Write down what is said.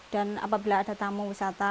dan apabila ada tamu wisata